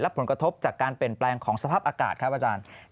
ผลกระทบจากการเปลี่ยนแปลงของสภาพอากาศครับอาจารย์